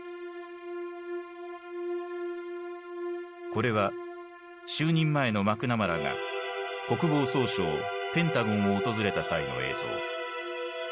これは就任前のマクナマラが国防総省ペンタゴンを訪れた際の映像。